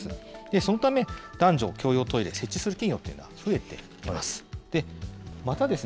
そのため、男女共用トイレ、設置する企業というのは増えています。